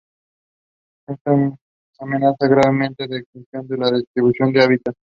Está amenazada gravemente de extinción por destrucción de hábitat